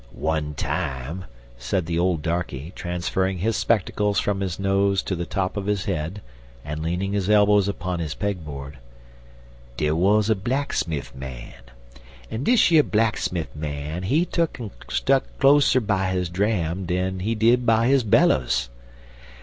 "One time," said the old darkey, transferring his spectacles from his nose to the top of his head and leaning his elbows upon his peg board, "dere wuz a blacksmif man, en dish yer blacksmif man, he tuck'n stuck closer by his dram dan he did by his bellus.